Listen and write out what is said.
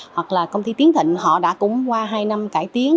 hoặc là công ty tiến thịnh họ đã cũng qua hai năm cải tiến